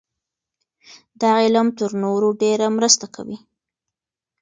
دا علم تر نورو ډېره مرسته کوي.